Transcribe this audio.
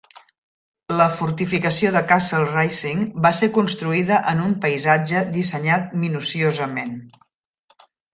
La fortificació de Castle Rising va ser construïda en un paisatge dissenyat minuciosament.